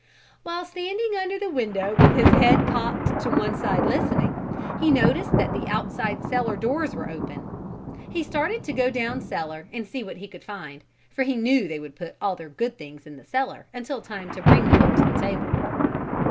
While standing under the window with his head cocked to one side listening, he noticed that the outside cellar doors were open. He started to go down cellar and see what he could find, for he knew they would put all their good things in the cellar until time to bring them up to the table.